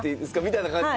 みたいな感じ？